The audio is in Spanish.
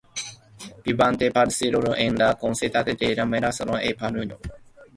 Valiente participó en la conquista de Michoacán y Pánuco.